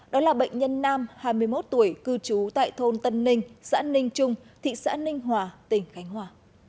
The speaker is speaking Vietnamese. đó là bệnh nhân nam hai mươi một tuổi cư trú tại thôn tân ninh xã ninh trung thị xã ninh hòa tỉnh khánh hòa